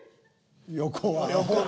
横は。